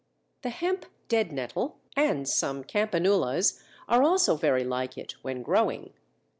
The Hemp Deadnettle and some Campanulas are also very like it when growing.